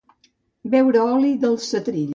Beure oli del setrill.